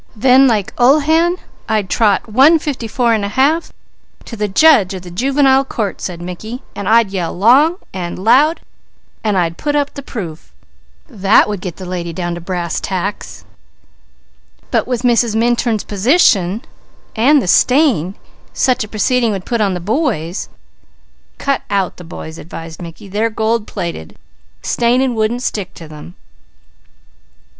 "Then like Ulhan I'd trot 1:54 1/2 to the judge of the Juvenile Court," said Mickey, "and I'd yell long and loud, and I'd put up the proof. That would get the lady down to brass tacks. See?" "But with Mrs. Minturn's position and the stain such a proceeding would put on the boys " "Cut out the boys," advised Mickey. "They're gold plated, staining wouldn't stick to them."